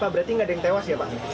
berarti nggak ada yang tewas ya pak